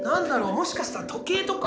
もしかしたら時計とか？